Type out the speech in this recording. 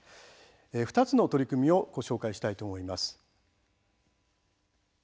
２つの取り組みをご紹介したいと思います。